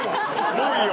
もういいよ！